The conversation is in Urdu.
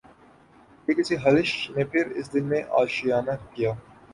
یہ کس خلش نے پھر اس دل میں آشیانہ کیا